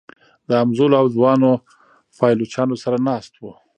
د همزولو او ځوانو پایلوچانو سره ناست و.